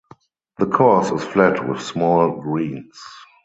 The course is flat with small greens.